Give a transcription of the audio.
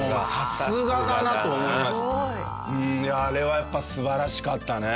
あれはやっぱ素晴らしかったね。